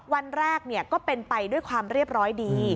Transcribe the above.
วันแรกก็เป็นไปด้วยความเรียบร้อยดี